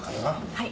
はい。